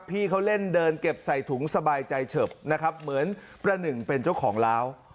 พี่เขาเล่นเดินเก็บใส่ถุงสบายใจเฉิบนะครับเหมือนประหนึ่งเป็นเจ้าของล้าว